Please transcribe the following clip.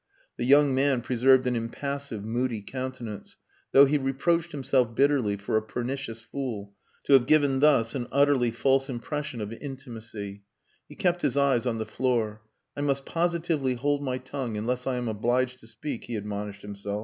The young man preserved an impassive, moody countenance, though he reproached himself bitterly for a pernicious fool, to have given thus an utterly false impression of intimacy. He kept his eyes on the floor. "I must positively hold my tongue unless I am obliged to speak," he admonished himself.